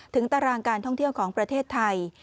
ตารางการท่องเที่ยวของประเทศไทย